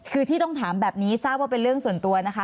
คือที่ต้องถามแบบนี้ทราบว่าเป็นเรื่องส่วนตัวนะคะ